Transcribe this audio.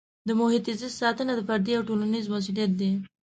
د محیط زیست ساتنه د فردي او ټولنیز مسؤلیت دی.